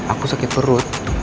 aku sakit perut